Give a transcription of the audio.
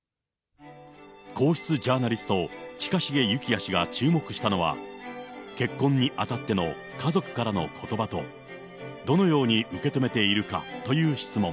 皇室ジャーナリスト、近重幸哉氏が注目したのは、結婚にあたっての家族からのことばと、どのように受け止めているかという質問。